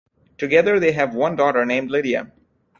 Together they have one daughter named Lydia.